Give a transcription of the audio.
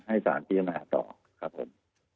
ให้สารพิจารณาต่อครับผม